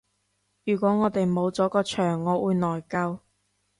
如果我哋冇咗個場我會內疚